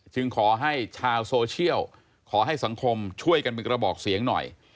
ขอให้ชาวโซเชียลขอให้สังคมช่วยกันเป็นกระบอกเสียงหน่อย